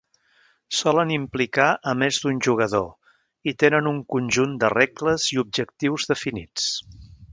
Solen implicar a més d'un jugador i tenen un conjunt de regles i objectius definits.